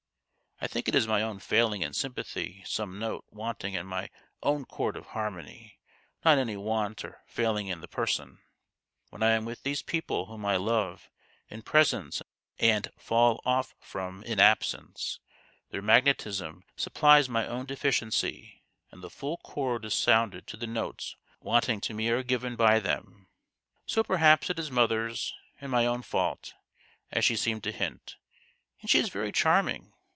I think it is my own failing in sympathy some note want ing in my own chord of harmony not any want or failing in the person. When I am with these people whom I love in presence and fall off from in absence, their magnetism sup plies my own deficiency and the full chord is sounded the notes wanting to me are given i;6 THE GHOST OF THE PAST. by them.' So perhaps it is mother's and my own fault, as she seemed to hint ; and she is very charming.